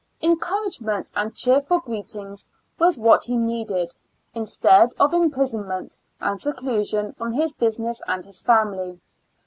Encouragement and cheerful greetings was what he needed, instead of imprison ment and seclusion from his business and his family.